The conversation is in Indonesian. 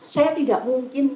saya tidak mungkin